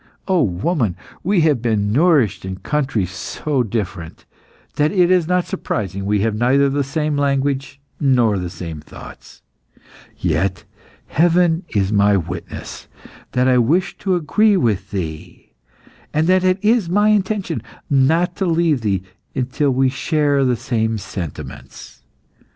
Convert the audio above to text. O woman, we have been nourished in countries so different, that it is not surprising we have neither the same language nor the same thoughts! Yet Heaven is my witness that I wish to agree with thee, and that it is my intention not to leave thee until we share the same sentiments.